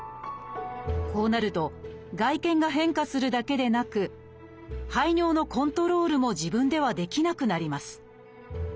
こうなると外見が変化するだけでなく排尿のコントロールも自分ではできなくなります